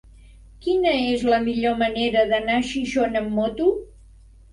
Quina és la millor manera d'anar a Xixona amb moto?